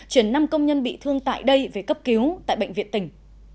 chuyển năm công nhân bị thương tại đây về cấp cứu tại bệnh viện tỉnh